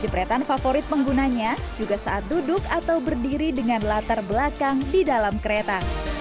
jepretan favorit penggunanya juga saat duduk atau berdiri dengan latar belakang di dalam kereta